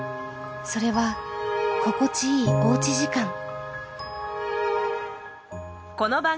それはここちいいおうち時間。